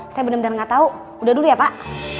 saya bener bener gak tau udah dulu ya pak